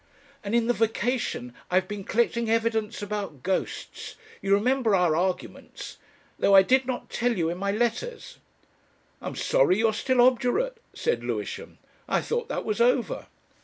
"And in the vacation I have been collecting evidence about ghosts you remember our arguments. Though I did not tell you in my letters." "I'm sorry you're still obdurate," said Lewisham. "I thought that was over."